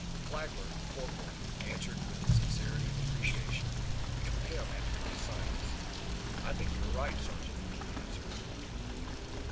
Flagler, the corporal, answered with a sincerity of appreciation which with him had become a science. "I think you are right, sergeant," he answered.